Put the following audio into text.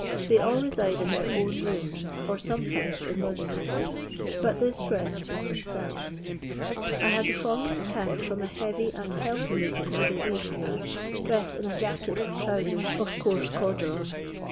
They all reside in their own rooms, or sometimes in lodg ing houses, but this rests with themselves. I had the following account from a heavy and healthy4ooking middle aged man, dressed in a jacket and trousen of coarse corduroy.